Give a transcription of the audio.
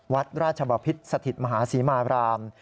วัดราชบพิษสถิตมหาศรีมาราม